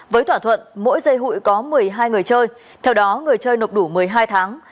với thỏa thuận mỗi dây hụi có một mươi hai người chơi theo đó người chơi nộp đủ một mươi hai tháng